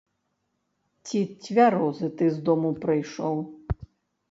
Ці цвярозы ты з дому прыйшоў?